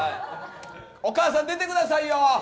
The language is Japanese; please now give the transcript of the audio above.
お母さん、出てくださいよ。